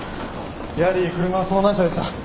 やはり車は盗難車でした。